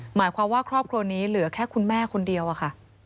หมายความว่าครอบครัวนี้เหลือแค่คุณแม่คนเดียวอะค่ะ